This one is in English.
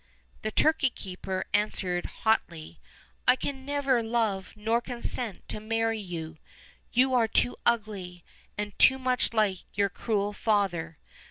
The turkey keeper answered haughtily: "I can never love, nor consent to marry you; you are too ugly, and too much like your cruel father.